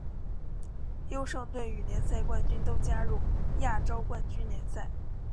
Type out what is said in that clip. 优胜队与联赛冠军都加入亚洲冠军联赛。